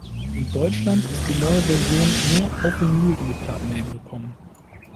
In Deutschland ist die neue Version nur auf Vinyl in die Plattenläden gekommen.